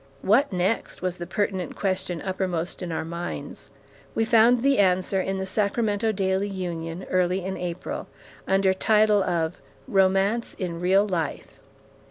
"What next?" was the pertinent question uppermost in our minds. We found the answer in The Sacramento Daily Union, early in April, under title of "Romance in Real Life."